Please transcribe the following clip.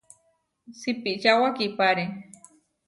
Sipiča wakipáre.